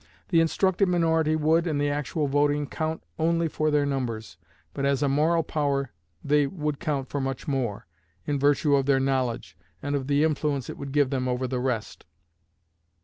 The instructed minority would, in the actual voting, count only for their numbers, but as a moral power they would count for much more, in virtue of their knowledge, and of the influence it would give them over the rest.